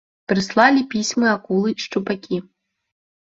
Прыслалі пісьмы акулы і шчупакі.